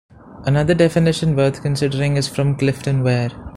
Another definition worth considering is from Clifton Ware.